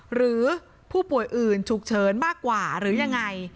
หรือผู้ป่วยอื่นฉุกเฉินมากกว่าหรือยังไง